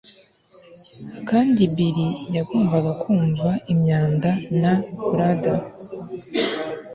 kandi bill yagombaga kumva imyanda na blather